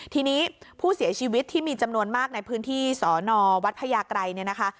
ทีนี้ผู้เสียชีวิตที่มีจำนวนมากในพื้นที่สอนอวัดพญาไกรเนี่ยนะคะ